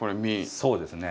そうですね。